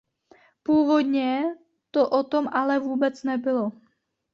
Původně to o tom ale vůbec nebylo.